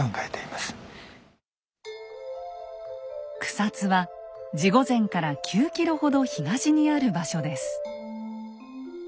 草津は地御前から９ｋｍほど東にある場所です。